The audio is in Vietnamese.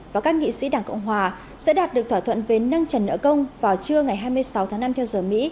và các nghị sĩ đảng cộng hòa sẽ đạt được thỏa thuận về nâng trần nợ công vào trưa ngày hai mươi sáu tháng năm theo giờ mỹ